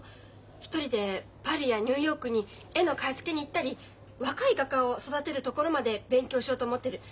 一人でパリやニューヨークに絵の買い付けに行ったり若い画家を育てるところまで勉強しようと思ってる。